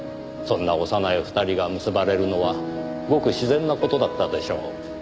そんな幼い２人が結ばれるのはごく自然な事だったでしょう。